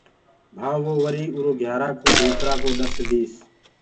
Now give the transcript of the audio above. وهآنٚ وو وري اُرو گھيِآرآ ڪوُ دوسرآ ڪو ڏس ديس۔